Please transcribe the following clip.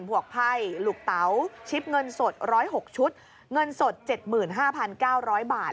ผัวไพ่หลุกเต๋าชิปเงินสดร้อยหกชุดเงินสดเจ็ดหมื่นห้าพันเก้าร้อยบาท